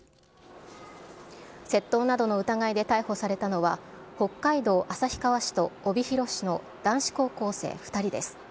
窃盗などの疑いで逮捕されたのは、北海道旭川市と帯広市の男子高校生２人です。